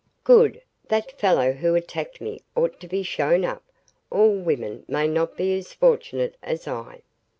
"Good! That fellow who attacked me ought to be shown up. All women may not be as fortunate as I."